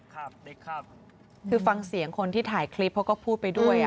คือฟังเสียงคนที่ถ่ายคลิปเขาก็พูดไปด้วย